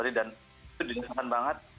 dan itu disesankan banget